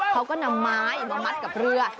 เขาก็นำไม้มามัดกับเรือ